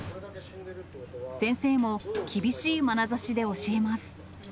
先生も厳しいまなざしで教えます。